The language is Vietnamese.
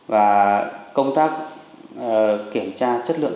và công tác kiểm tra chất lượng